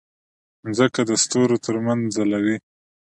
مځکه د ستورو ترمنځ ځلوي.